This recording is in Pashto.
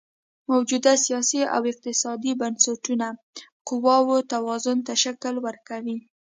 موجوده سیاسي او اقتصادي بنسټونه قواوو توازن ته شکل ورکوي.